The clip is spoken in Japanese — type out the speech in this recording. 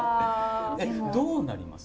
えっどうなります？